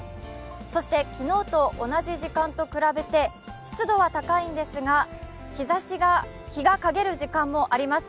そして昨日と同じ時間と比べて湿度は高いんですが日が陰る時間もあります。